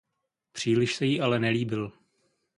Příliš se jí ale nelíbil.